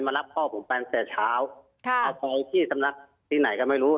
มารับพ่อผมแปลงเสียเช้าไปที่สำนักที่ไหนก็ไม่รู้